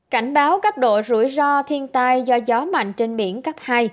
cảnh báo cấp độ rủi ro thiên tai do gió mạnh trên biển cấp hai